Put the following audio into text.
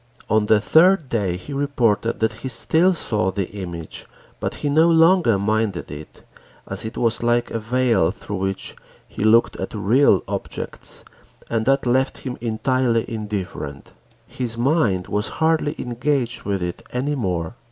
On the third day he reported that he still saw the image but he no longer minded it, as it was like a veil through which he looked at real objects and that left him entirely indifferent. His mind was hardly engaged with it any more.